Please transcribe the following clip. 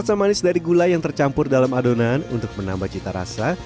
rasa manis dari gula yang tercampur dalam adonan untuk menambah cita rasa